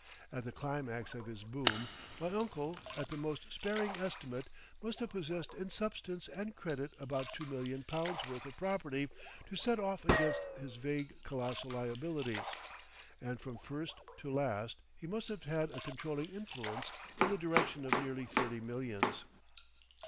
At the climax of his Boom, my uncle at the most sparing estimate must have possessed in substance and credit about two million pounds' worth of property to set off against his vague colossal liabilities, and from first to last he must have had a controlling influence in the direction of nearly thirty millions.